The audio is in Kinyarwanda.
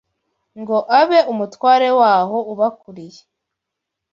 ngo abe umutware waho ubakuriye